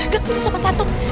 gak itu sopan satu